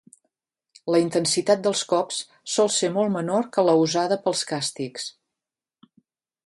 La intensitat dels cops sol ser molt menor que la usada pels càstigs.